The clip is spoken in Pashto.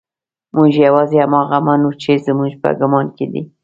موږ يوازې هماغه منو چې زموږ په ګمان کې دي.